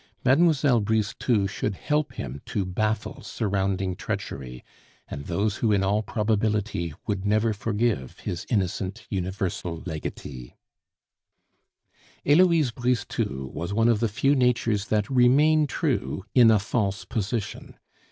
Mlle. Brisetout should help him to baffle surrounding treachery, and those who in all probability would never forgive his innocent universal legatee. Heloise Brisetout was one of the few natures that remain true in a false position.